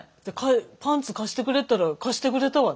パンツ貸してくれったら貸してくれたわね。